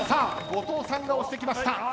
後藤さんが押してきました。